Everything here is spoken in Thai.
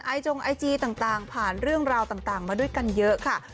จงไอจีต่างผ่านเรื่องราวต่างมาด้วยกันเยอะค่ะ